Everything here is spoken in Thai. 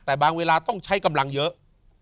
แต่บางเวลาต้องใช้กำลังเยอะ